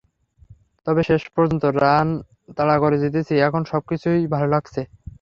তবে শেষ পর্যন্ত রান তাড়া করে জিতেছি, এখন সবকিছুই ভালো লাগছে।